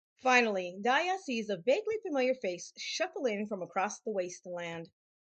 Finally, Daya sees a vaguely familiar face shuffle in from across the wasteland.